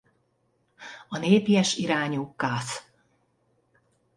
A népies irányú kath.